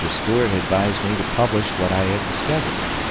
Stuart advised me to publish what I had discovered.